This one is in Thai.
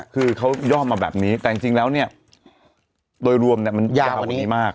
คือเขาย่อมาแบบนี้แต่จริงแล้วเนี่ยโดยรวมเนี่ยมันยาวกว่านี้มาก